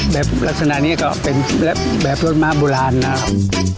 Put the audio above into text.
ลักษณะนี้ก็เป็นแบบรถม้าโบราณนะครับ